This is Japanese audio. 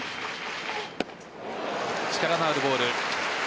力のあるボール。